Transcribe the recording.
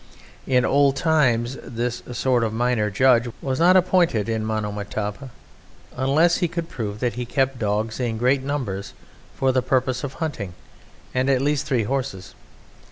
In old times this sort of minor judge was not appointed in Monomotapa unless he could prove that he kept dogs in great numbers for the purposes of hunting, and at least three horses.